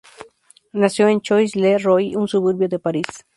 Nació en Choisy-le-Roi, un suburbio de París.